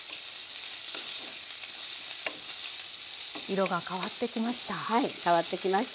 色が変わってきました。